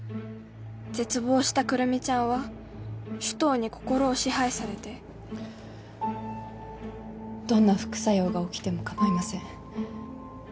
絶望した来美ちゃんは首藤に心を支配されてどんな副作用が起きても構いません。